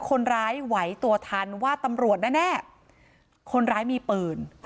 คนร้ายไหวตัวทันว่าตำรวจแน่คนร้ายมีปืน